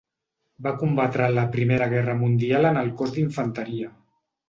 Va combatre a la Primera Guerra Mundial en el cos d'infanteria.